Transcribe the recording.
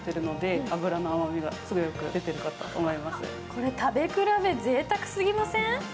これ、食べ比べぜいたくすぎません。